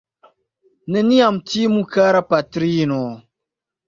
Neniam timu, kara patrino!